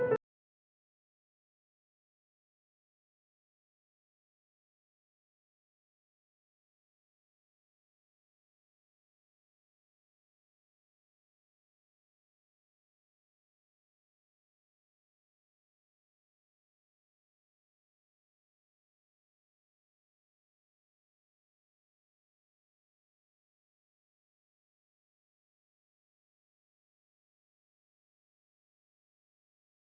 ya kamu juga terberes